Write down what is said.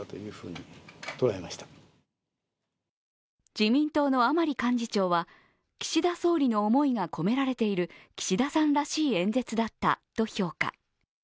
自民党の甘利幹事長は岸田総理の思いが込められている岸田さんらしい演説だったと評価。